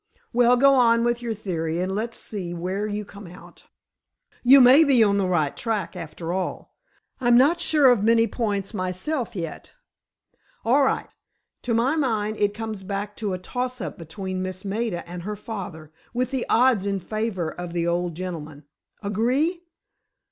"Well, go on with your theory, and let's see where you come out. You may be on the right track, after all. I'm not sure of many points myself yet." "All right. To my mind, it comes back to a toss up between Miss Maida and her father, with the odds in favor of the old gentleman. Agree?"